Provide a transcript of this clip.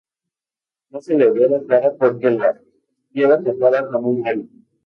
No se le ve la cara porque la lleva tapada con un velo.